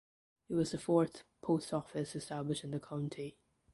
It was the fourth post office established in the county.